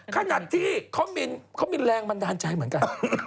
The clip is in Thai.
ขนาดที่เขามีแรงบันดาลใจเหมือนกัน